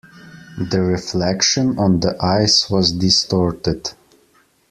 The reflection on the ice was distorted.